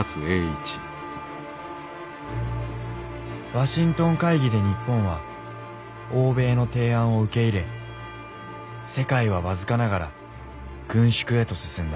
ワシントン会議で日本は欧米の提案を受け入れ世界は僅かながら軍縮へと進んだ。